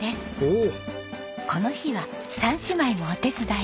この日は三姉妹もお手伝い。